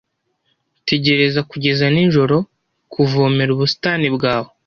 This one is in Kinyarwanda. tegereza kugeza nijoro kuvomera ubusitani bwawe